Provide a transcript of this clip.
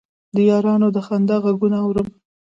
د یارانو د خندا غـږونه اورم